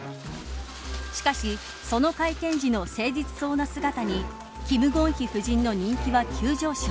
しかしその会見時の誠実そうな姿に金建希夫人の人気は急上昇。